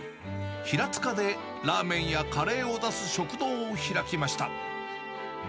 平塚でラーメンやカレーを出す食堂を開きました。